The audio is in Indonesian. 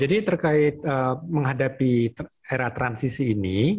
jadi terkait menghadapi era transisi ini